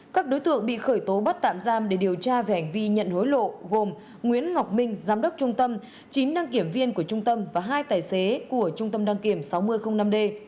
các đối tượng bị khởi tố bắt tạm giam để điều tra về hành vi nhận hối lộ gồm nguyễn ngọc minh giám đốc trung tâm chín đăng kiểm viên của trung tâm và hai tài xế của trung tâm đăng kiểm sáu nghìn năm d